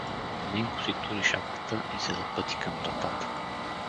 Ненко си тури шапката и се запъти към вратата.